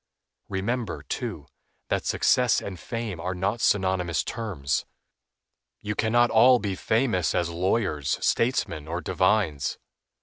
Remember, too, that success and fame are not synonymous terms. You can not all be famous as lawyers, statesmen, or divines.